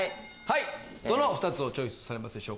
どの２つをチョイスされます？